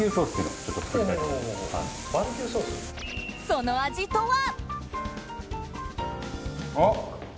その味とは？